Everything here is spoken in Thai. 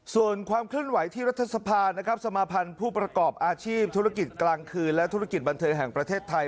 ส่วนความเคลื่อนไหวที่รัฐสภานะครับสมาพันธ์ผู้ประกอบอาชีพธุรกิจกลางคืนและธุรกิจบันเทิงแห่งประเทศไทย